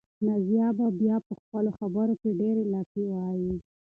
نازیه به بیا په خپلو خبرو کې ډېرې لافې وهي.